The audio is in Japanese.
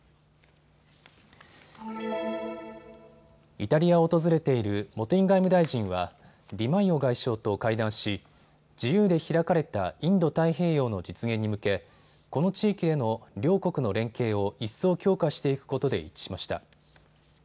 イタリアを訪れている茂木外務大臣はディマイオ外相と会談し自由で開かれたインド太平洋の実現に向けこの地域への両国の連携を一層強化していくことで一致しました。